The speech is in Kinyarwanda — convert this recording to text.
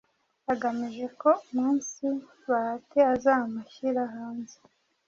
agamije ko umunsi bahati azamushyira hanze